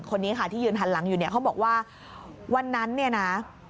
คนนี้ค่ะที่ยืนทันหลังอยู่เขาบอกว่าวันนั้นนะ